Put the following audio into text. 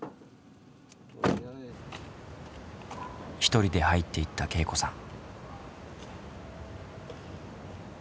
１人で入っていったけいこさん。